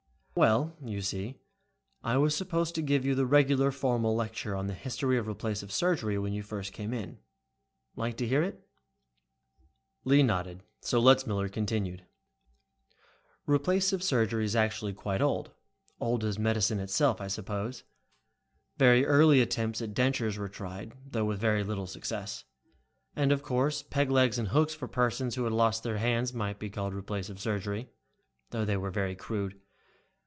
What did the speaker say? "Well, you see I was supposed to give you the regular formal lecture on the history of replacive surgery when you first came in. Like to hear it?" Lee nodded, so Letzmiller continued. "Replacive surgery is actually quite old. Old as medicine itself, I suppose. Very early attempts at dentures were tried, though with little success. And, of course, peg legs and hooks for persons who had lost their hands might be called replacive surgery, though they were very crude.